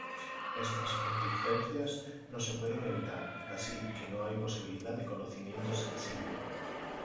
Estas contingencias no se pueden evitar, así que no hay posibilidad de conocimiento sensible.